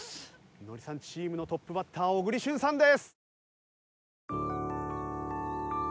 ノリさんチームのトップバッター小栗旬さんです。